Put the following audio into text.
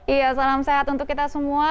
iya salam sehat untuk kita semua